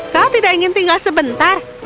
kau tidak ingin tinggal sebentar